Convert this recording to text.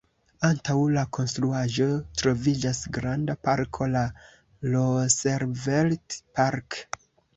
Antaŭ la konstruaĵo troviĝas granda parko, la „Roosevelt Park”.